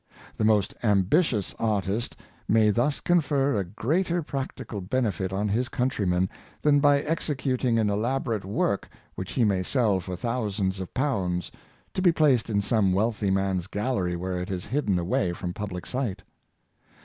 The most ambitious artist may thus confer a greater practi cal benefit on his countrymen than by executing an elaborate work which he may sell for thousands of pounds, to be placed in some wealthy man's gallery where it is hidden away from public sight.